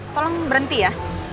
tolong berhenti ya